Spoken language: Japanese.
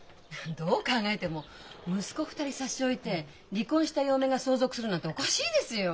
どう考えても息子２人差し置いて離婚した嫁が相続するなんておかしいですよ。